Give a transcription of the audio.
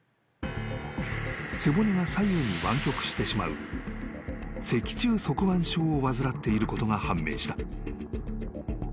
［背骨が左右に湾曲してしまう脊柱側弯症を患っていることが判明した］